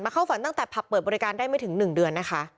เข้าฝันตั้งแต่ผับเปิดบริการได้ไม่ถึง๑เดือนนะคะ